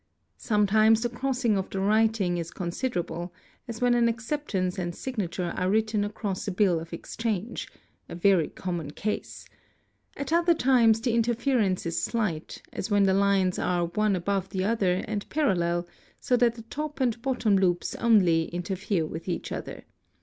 _ Sometimes the crossing of the writing is considerable, as when an acceptance and signature are written across a bill of exchange—a very common case ; at other times the interference is slight, as when the lines _ are one above the other and parallel, so that the top and bottom loops only interfere with each other.